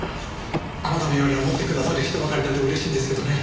あなたのように思ってくださる人ばかりだと嬉しいんですけどね。